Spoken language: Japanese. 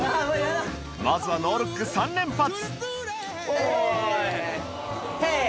まずはノールック３連発ヘイ！